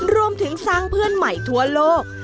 รวมถึงสร้างเพื่อนใหม่ทั่วโลก